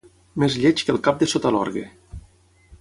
Més lleig que el cap de sota l'orgue.